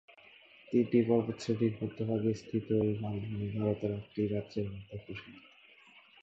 তিনটি পর্বতশ্রেণীর মধ্যভাগে স্থিত এই মালভূমি ভারতের আটটি রাজ্যের মধ্যে প্রসারিত।